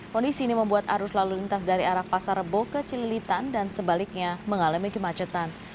kondisi ini membuat arus lalu lintas dari arah pasar rebo ke cililitan dan sebaliknya mengalami kemacetan